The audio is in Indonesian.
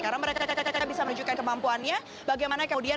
karena mereka bisa menunjukkan kemampuannya